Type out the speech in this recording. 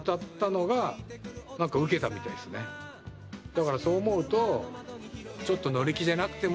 だからそう思うと。